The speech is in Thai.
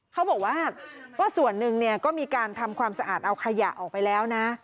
เขาบอกว่าก็ส่วนหนึ่งเนี่ยก็มีการทำความสะอาดเอาขยะออกไปแล้วนะ